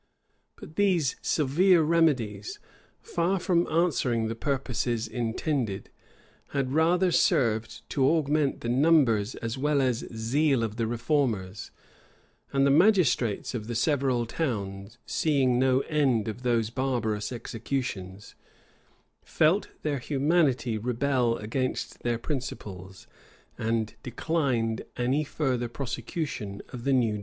[*] But these severe remedies; far from answering the purposes intended, had rather served to augment the numbers as well as zeal of the reformers; and the magistrates of the several towns, seeing no end of those barbarous executions, felt their humanity rebel against their principles, and declined any further persecution of the new doctrines.